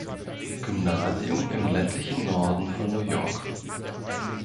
Gymnasium im ländlichen Norden von New York.